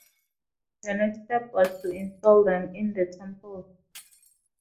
The next step was to install them in the temple.